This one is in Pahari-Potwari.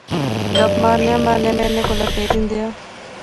گپ مارنیاں مارنیاں میں انیں کولا پھیت ہندا